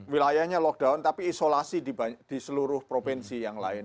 wilayahnya lockdown tapi isolasi di seluruh provinsi yang lain